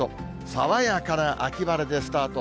爽やかな秋晴れでスタート。